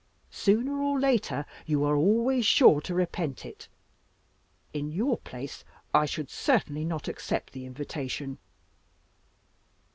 Sooner or later you are always sure to repent it. In your place I should certainly not accept the invitation."